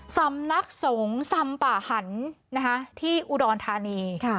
สำนักสงฆ์ราคาที่อุดรธานี